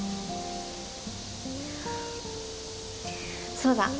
そうだ！